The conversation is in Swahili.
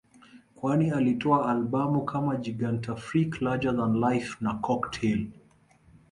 kwani alitoa Albamu kama Gigantafrique Larger than life na Cocktail